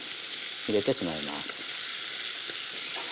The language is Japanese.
入れてしまいます。